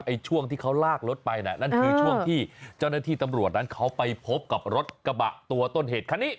ช่วงที่เขาลากรถไปน่ะนั่นคือช่วงที่เจ้าหน้าที่ตำรวจนั้นเขาไปพบกับรถกระบะตัวต้นเหตุคันนี้